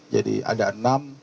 jadi ada enam